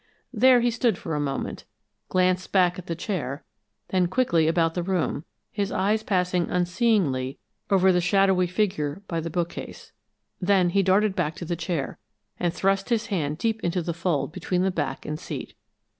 There he stood for a moment, glanced back at the chair, then quickly about the room, his eyes passing unseeingly over the shadowy figure by the bookcase. Then he darted back to the chair and thrust his hand deep into the fold between the back and seat.